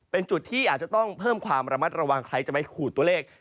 เป็นจุดที่อาจจะต้องเพิ่มความระมัดระวังใครจะไปขูดตัวเลข